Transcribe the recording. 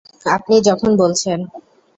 আপনি যখন বলছেন।